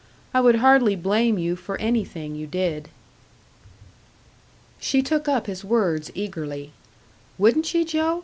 I would hardly blame you for anything you did." She took up his words eagerly. "Wouldn't ye, Joe?